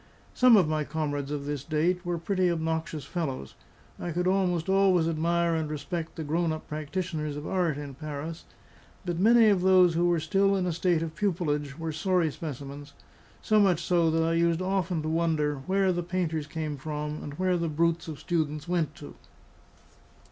Some of my comrades of this date were pretty obnoxious fellows. I could almost always admire and respect the grown up practitioners of art in Paris; but many of those who were still in a state of pupilage were sorry specimens, so much so that I used often to wonder where the painters came from, and where the brutes of students went to.